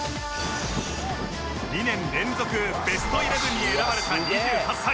２年連続ベストイレブンに選ばれた２８歳